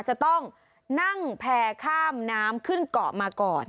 จะต้องนั่งแพร่ข้ามน้ำขึ้นเกาะมาก่อน